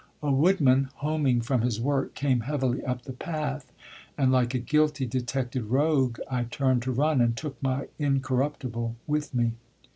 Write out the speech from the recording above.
A woodman, homing from his work, came heavily up the path, and like a guilty detected rogue I turned to run and took my incorruptible with me.